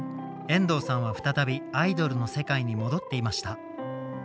遠藤さんは再びアイドルの世界に戻っていました。